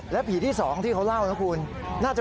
แล้วไม่แน่ใจน่ะคุณว่า